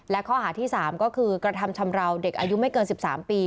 และข้อหาที่๓ก็คือกระทำชำราวเด็กอายุไม่เกิน๑๓ปี